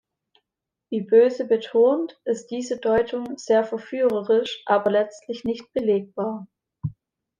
Wie Boese betont, ist diese Deutung „sehr verführerisch“, aber letztlich nicht belegbar.